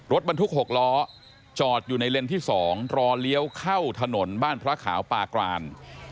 รถบรรทุก๖ล้อจอดอยู่ในเลนส์ที่๒รอเลี้ยวเข้าถนนบ้านพระขาวปาราน